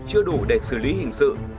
chưa đủ để xử lý hình sự